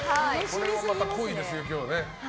これはまた濃いですね。